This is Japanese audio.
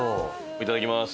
いただきます。